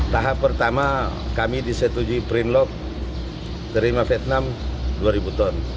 tahap pertama kami disetujui print lock terima vietnam dua ribu ton